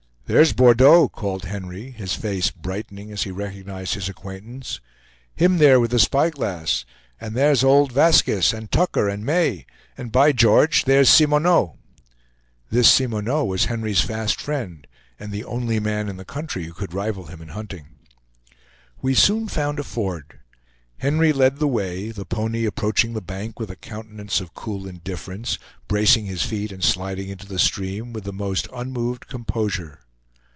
"There's Bordeaux!" called Henry, his face brightening as he recognized his acquaintance; "him there with the spyglass; and there's old Vaskiss, and Tucker, and May; and, by George! there's Cimoneau!" This Cimoneau was Henry's fast friend, and the only man in the country who could rival him in hunting. We soon found a ford. Henry led the way, the pony approaching the bank with a countenance of cool indifference, bracing his feet and sliding into the stream with the most unmoved composure.